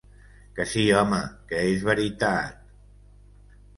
Que sí, home, que és veritat.